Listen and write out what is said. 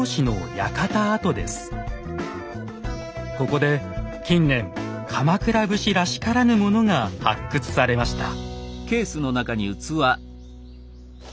ここで近年鎌倉武士らしからぬものが発掘されました。